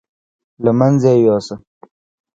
له منځه یې یوسه.